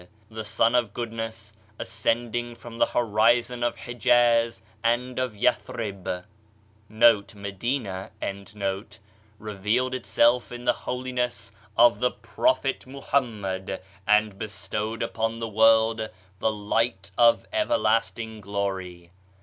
The Sun of goodness ascending from the horizon of Hijaz and of Yath reb,* revealed itself in the holiness of the Prophet Muhammad and bestowed upon the world the light of everlasting glory.